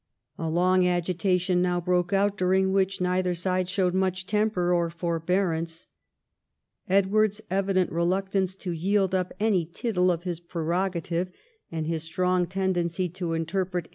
A long agitation now broke out, during which neither side showed much temper or forbearance. Edward's evident reluctance to yield up any tittle of his prerogative, and his strong tendency to interpret 212 EDWARD I ohap.